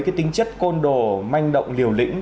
cái tính chất côn đồ manh động liều lĩnh